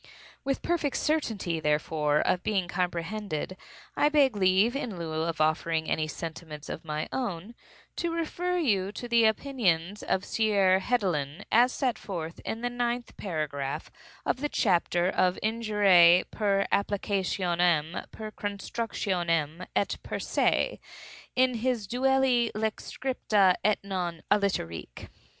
With perfect certainty, therefore, of being comprehended, I beg leave, in lieu of offering any sentiments of my own, to refer you to the opinions of Sieur Hedelin, as set forth in the ninth paragraph of the chapter of "Injuriae per applicationem, per constructionem, et per se," in his "Duelli Lex scripta, et non; aliterque."